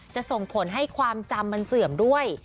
ส่งผลให้ความจำมันเสื่อมด้วย